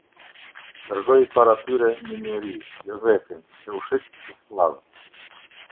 Dërgoi para tyre një njeri, Jozefin, që u shit si skllav.